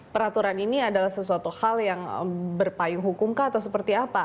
peraturan ini adalah sesuatu hal yang berpayung hukum kah atau seperti apa